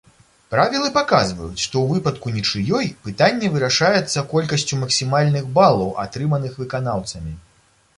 Правілы паказваюць, што ў выпадку нічыёй, пытанне вырашаецца колькасцю максімальных балаў, атрыманых выканаўцамі.